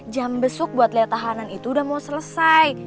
jam besuk buat lihat tahanan itu udah mau selesai